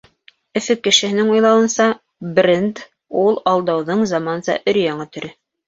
Өфө кешеһенең уйлауынса, бренд — ул алдауҙың заманса өр-яңы төрө.